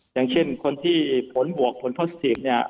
อย่างเช่นคนที่ผลบวกผลพอสิทธิ์นี่